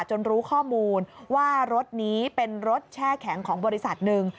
รู้ข้อมูลว่ารถนี้เป็นรถแช่แข็งของบริษัทหนึ่ง